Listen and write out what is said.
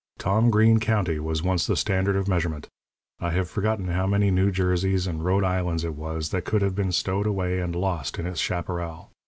Tom Green County was once the standard of measurement. I have forgotten how many New Jerseys and Rhode Islands it was that could have been stowed away and lost in its chaparral.